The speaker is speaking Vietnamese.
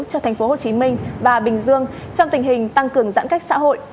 cho thành phố hồ chí minh và bình dương trong tình hình tăng cường giãn cách xã hội